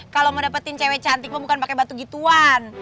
kalau mau dapetin cewek cantikmu bukan pakai batu gituan